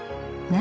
何？